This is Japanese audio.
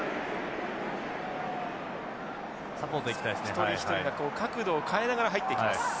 一人一人が角度を変えながら入っていきます。